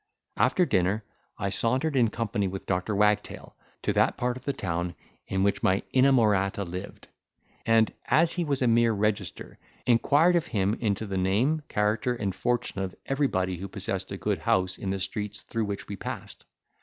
After dinner, I sauntered in company with Dr. Wagtail, to that part of the town in which my inamorata lived; and, as he was a mere register, inquired of him into the name, character, and fortune of everybody who possessed a good house in the streets through which we passed.